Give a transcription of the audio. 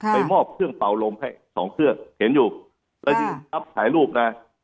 ไปมอบเครื่องเปาลมให้๒เครื่องเห็นอยู่แล้วที่รับสายรูปนะ